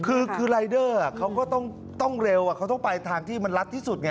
คือรายเดอร์เขาก็ต้องเร็วเขาต้องไปทางที่มันรัดที่สุดไง